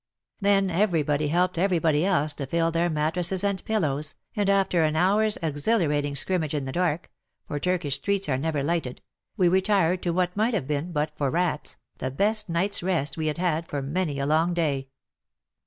Then everybody helped everybody else to fill their mattresses and pillows, and after half an hour's exhilarating scrimmage in the dark — for Turkish streets are never lighted — we re tired to what might have been, but for rats, the best night's rest we had had for many a long day.